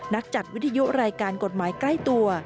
นักจัดวิทยุรายการกฎหมายใกล้ตัว